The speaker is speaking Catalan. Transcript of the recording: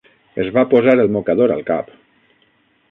Es va posar el mocador al cap